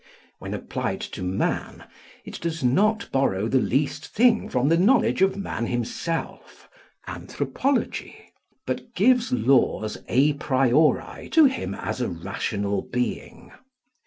When applied to man, it does not borrow the least thing from the knowledge of man himself (anthropology), but gives laws a priori to him as a rational being.